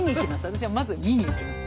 私はまず見に行きます。